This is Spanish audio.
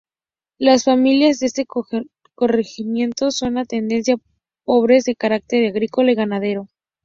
Las familias de este corregimiento son a tendencia pobres de carácter agrícola y ganadero.